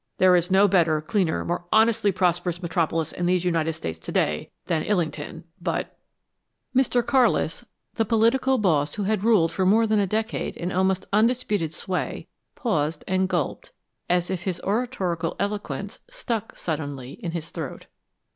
There is no better, cleaner, more honestly prosperous metropolis in these United States to day, than Illington, but " Mr. Carlis, the political boss who had ruled for more than a decade in almost undisputed sway, paused and gulped, as if his oratorical eloquence stuck suddenly in his throat.